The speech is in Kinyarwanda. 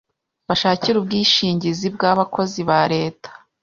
bashakire ubwishingizi bw’abakozi ba Leta